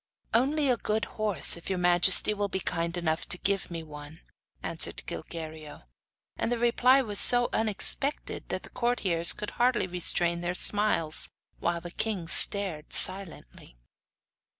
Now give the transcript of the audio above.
'Only a good horse, if your majesty will be kind enough to give me one,' answered Gilguerillo. And the reply was so unexpected that the courtiers could hardly restrain their smiles, while the king stared silently.